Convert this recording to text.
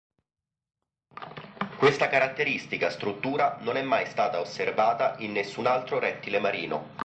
Questa caratteristica struttura non è mai stata osservata in nessun altro rettile marino.